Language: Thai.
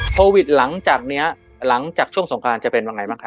โทวิทหลังจากช่วงสงกราณจะเป็นว่าไงบ้างคะ